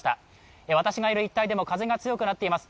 私がいる一帯でも風が強くなっています。